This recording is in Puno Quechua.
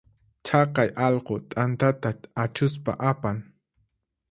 Chaqay allqu t'antata achuspa apan.